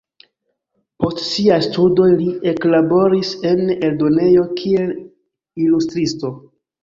Post siaj studoj li eklaboris en eldonejo kiel ilustristo.